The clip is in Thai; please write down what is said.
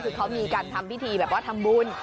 คือเขามีการทำพิธีแบบว่าทำบุญ